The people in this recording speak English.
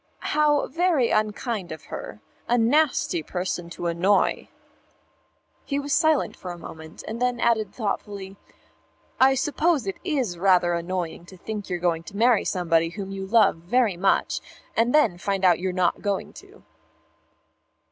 "How very unkind of her. A nasty person to annoy." He was silent for a moment, and then added thoughtfully, "I suppose it is rather annoying to think you're going to marry somebody whom you love very much, and then find you're not going to."